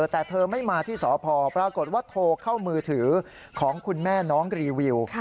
แต่เธอไม่มาที่สพปรากฏว่าโทรเข้ามือถือของคุณแม่น้องรีวิว